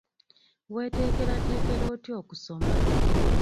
Weeteekerateekera otya okusoma?